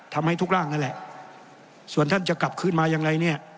ทำให้ทุกร่างนั่นแหละส่วนท่านจะกลับขึ้นมาอย่างไรเนี่ย